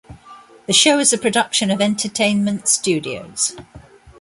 The show is a production of Entertainment Studios.